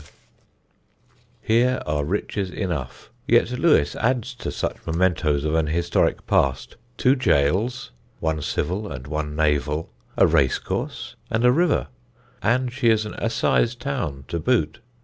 [Sidenote: THE RICHES OF LEWES] Here are riches enough; yet Lewes adds to such mementoes of an historic past two gaols one civil and one naval a racecourse, and a river, and she is an assize town to boot.